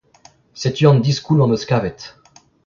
Setu an diskoulm am eus kavet.